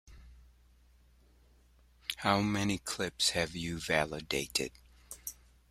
How many clips have you validated?